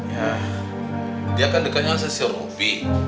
yah dia kan deketnya sama si robby